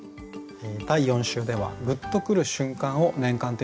第４週では「グッとくる瞬間」を年間テーマにしています。